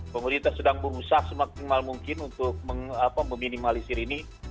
pemerintah sedang berusaha semaksimal mungkin untuk meminimalisir ini